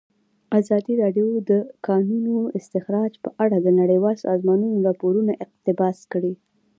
ازادي راډیو د د کانونو استخراج په اړه د نړیوالو سازمانونو راپورونه اقتباس کړي.